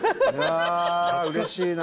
あうれしいな。